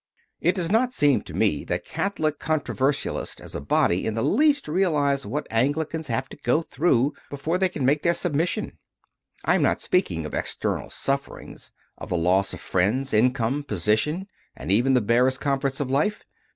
6. It does not seem to me that Catholic con troversialists as a body in the least realize what Anglicans have to go through before they can make their submission. I am not speaking of external sufferings of the loss of friends, income, position, and even the barest comforts of life.